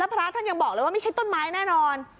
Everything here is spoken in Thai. พระท่านยังบอกเลยว่าไม่ใช่ต้นไม้แน่นอน